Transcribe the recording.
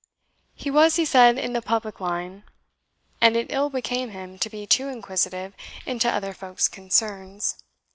He was, he said, in the public line, and it ill became him to be too inquisitive into other folk's concerns.